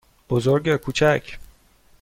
بزرگ یا کوچک؟